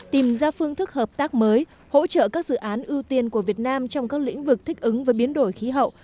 tìm ra phương thức hợp tác mới hỗ trợ các dự án ưu tiên của việt nam trong các lĩnh vực thích ứng với biến đổi khí hậu